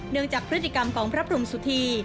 เนื่องจากพฤติกรรมของพระพรหมสุธี